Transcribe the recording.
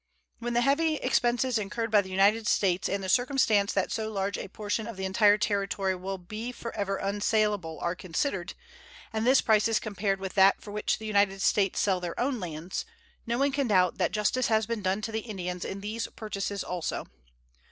When the heavy expenses incurred by the United States and the circumstance that so large a portion of the entire territory will be forever unsalable are considered, and this price is compared with that for which the United States sell their own lands, no one can doubt that justice has been done to the Indians in these purchases also.